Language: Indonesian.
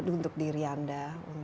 untuk diri anda